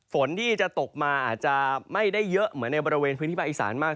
ฝนที่จะตกมาอาจจะไม่ได้เยอะเหมือนในบริเวณพื้นที่ภาคอีสานมาก